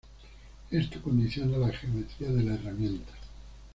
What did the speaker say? Esto condiciona la geometría de la herramienta.